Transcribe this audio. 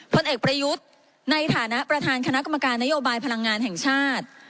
ผลเอกประยุทธ์ในฐานะประธานคณะกรรมการนโยบายพลังงานแห่งชาติ